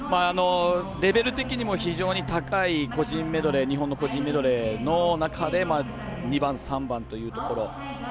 レベル的にも非常に高い日本の個人メドレーの中で２番、３番というところ。